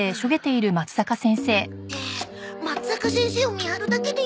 ってまつざか先生を見張るだけでいいの？